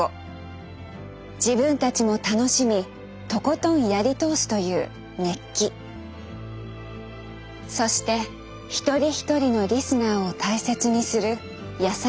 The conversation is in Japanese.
自分たちも楽しみとことんやり通すという熱気そしてひとりひとりのリスナーを大切にする優しさがありました。